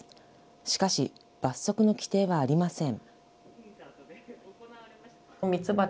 しかし罰則の規定はありません。